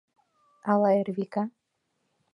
Ала Эрвика?..